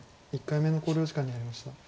１回目の考慮時間に入りました。